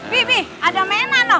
bi bi ada mainan loh